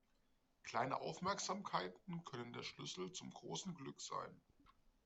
Kleine Aufmerksamkeiten können der Schlüssel zum großen Glück sein.